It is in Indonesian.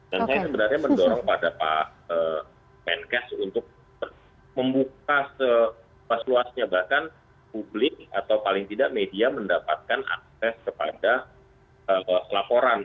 saya sebenarnya mendorong pada pak menkes untuk membuka seluas luasnya bahkan publik atau paling tidak media mendapatkan akses kepada laporan